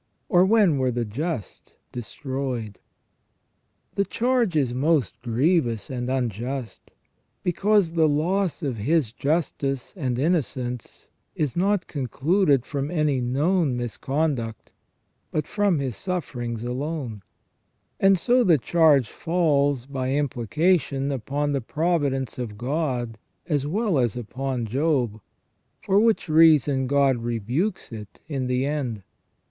or when were the just destroyed?" The charge is most grievous and unjust, because the loss of his justice and innocence is not concluded from any known mis conduct, but from his sufferings alone ; and so the charge falls, by implication, upon the providence of God as well as upon Job, for which reason God rebukes it in the end.